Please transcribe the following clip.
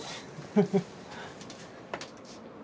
フフッ。